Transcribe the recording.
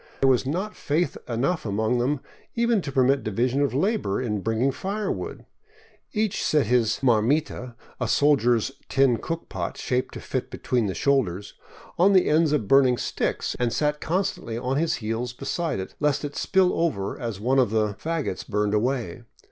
There was not faith enough among them even to permit division of labor in bringing fire wood. Each set his marmita, a soldier's tin cook pot shaped to fit between the shoulders, on the ends of burning sticks and sat constantly on his heels beside it, lest it spill over as one of the 569 VAGABONDING DOWN THE ANDES fagots burned away.